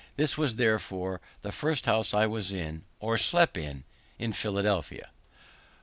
This was, therefore, the first house I was in, or slept in, in Philadelphia.